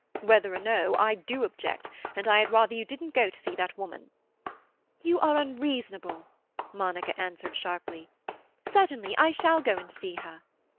"Whether or no—I do object, and I had rather you didn't go to see that woman." "You are unreasonable," Monica answered sharply. "Certainly I shall go and see her."